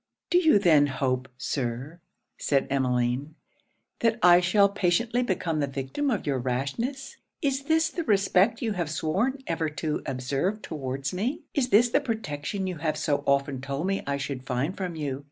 'Do you then hope, Sir,' said Emmeline, 'that I shall patiently become the victim of your rashness? Is this the respect you have sworn ever to observe towards me? Is this the protection you have so often told me I should find from you?